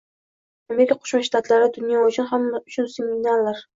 Amerika Qo'shma Shtatlari dunyo uchun, hamma uchun signaldir